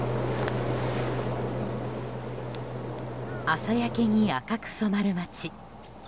朝焼けに赤く染まる町。